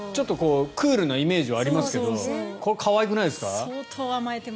クールなイメージはありますけど可愛くないですか。